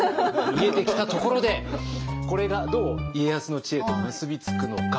見えてきたところでこれがどう家康の知恵と結び付くのか。